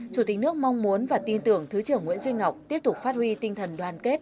chủ tịch nước mong muốn và tin tưởng thứ trưởng nguyễn duy ngọc tiếp tục phát huy tinh thần đoàn kết